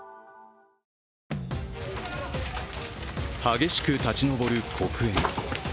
激しく立ち上る黒煙。